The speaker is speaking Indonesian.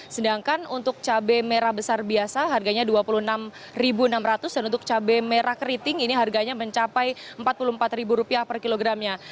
sedangkan untuk cabai merah besar biasa harganya rp dua puluh enam enam ratus dan untuk cabai merah keriting ini harganya mencapai rp empat puluh empat per kilogramnya